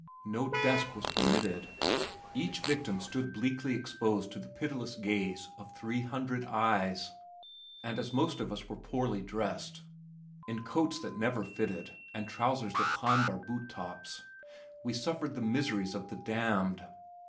No desk was permitted. Each victim stood bleakly exposed to the pitiless gaze of three hundred eyes, and as most of us were poorly dressed, in coats that never fitted and trousers that climbed our boot tops, we suffered the miseries of the damned.